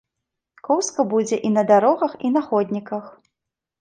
Коўзка будзе і на дарогах, і на ходніках.